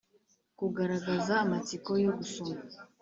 -kugaragagaza amatsiko yo gusoma